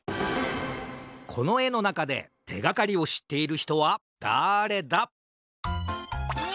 このえのなかでてがかりをしっているひとはだれだ？え！？